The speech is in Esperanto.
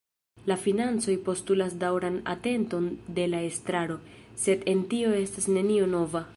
La financoj postulas daŭran atenton de la estraro, sed en tio estas nenio nova.